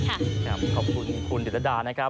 ขอบคุณคุณดิตรดานะครับ